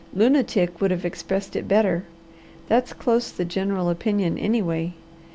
Lunatic would have expressed it better. That's close the general opinion, anyway.